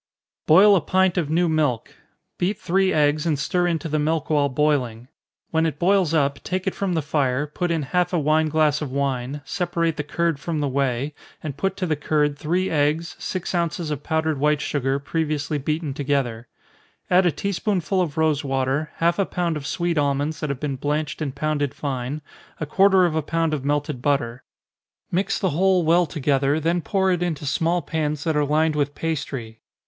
_ Boil a pint of new milk beat three eggs, and stir into the milk while boiling. When it boils up, take it from the fire, put in half a wine glass of wine, separate the curd from the whey, and put to the curd three eggs, six ounces of powdered white sugar, previously beaten together. Add a tea spoonful of rosewater, half a pound of sweet almonds that have been blanched and pounded fine, a quarter of a pound of melted butter. Mix the whole well together, then pour it into small pans that are lined with pastry.